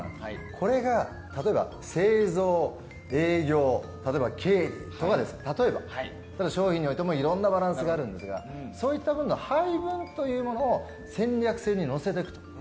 これが例えば製造、営業、経理とかで商品においてもいろいろなバランスがあるんですがそういったものの配分を戦略性に乗せると。